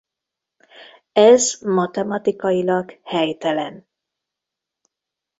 Ez matematikailag helytelen.